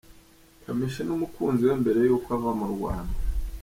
Kamichi n’umukunzi we mbere y’uko ava mu Rwanda.